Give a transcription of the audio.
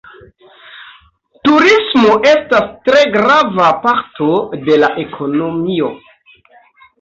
Turismo estas tre grava parto de la ekonomio.